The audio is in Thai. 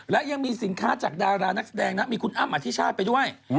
และยังมีสินค้าจากดารานักแสดงนะมีคุณอ้ำอธิชาติไปด้วย